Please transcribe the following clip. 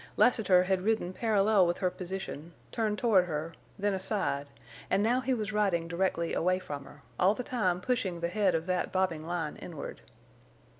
Lassiter had ridden parallel with her position, turned toward her, then aside, and now he was riding directly away from her, all the time pushing the head of that bobbing line inward.